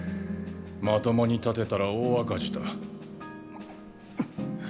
まともに建てたら大赤字だ。